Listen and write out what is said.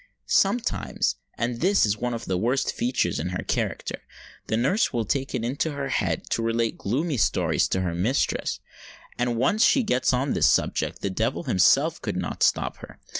Sometimes—and this is one of the worst features in her character—the nurse will take it into her head to relate gloomy stories to her mistress; and when once she gets on this subject, the devil himself could not stop her.